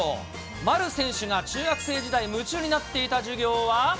丸選手が中学生時代、夢中になっていた授業は？